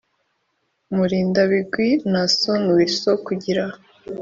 Mulindabigwi Naason Wilson kugira